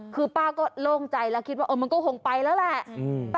คือป้าก็โล่งใจแล้วคิดว่ามันก็คงไปแล้วแหละ